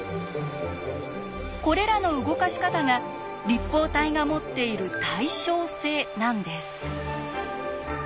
これらの動かし方が「立方体が持っている対称性」なんです。